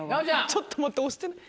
ちょっと待って押してない。